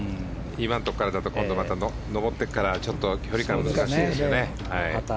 今のところからだと上ってから、また距離感が難しいですよね。